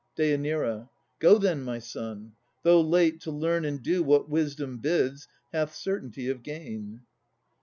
DÊ. Go then, my son. Though late, to learn and do What wisdom bids, hath certainty of gain.